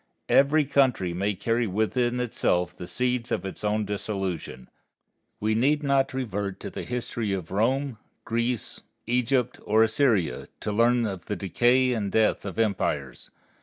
Every country may carry within itself the seeds of its own dissolution. We need not revert to the history of Rome, Greece, Egypt, or Assyria to learn of the decay and death of empires.